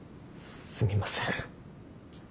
すみません。